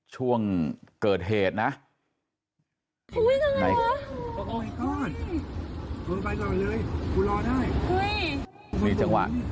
ช่วงเกิดเหตุนะ